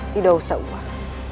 tidak usah uang